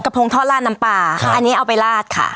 พงทอดลาดน้ำปลาค่ะอันนี้เอาไปลาดค่ะ